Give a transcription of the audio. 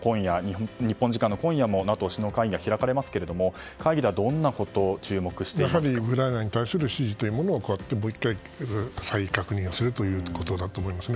日本時間の今夜もＮＡＴＯ首脳会議が開かれますけども会議ではどんなことにウクライナに対する支持をもう１回、再確認するということだと思いますね。